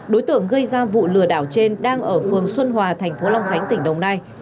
đối tượng gây ra vụ lừa đảo trên đang ở phường xuân hòa thành phố long khánh tỉnh đồng nai